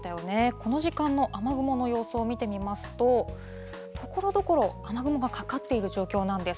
この時間の雨雲の様子を見てみますと、ところどころ、雨雲がかかっている状況なんです。